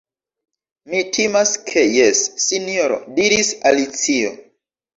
"Mi timas ke jes, Sinjoro," diris Alicio. "